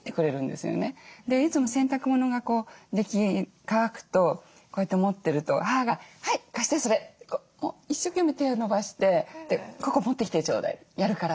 でいつも洗濯物が乾くとこうやって持ってると母が「はい貸してそれ」って一生懸命手を伸ばして「ここ持ってきてちょうだいやるから」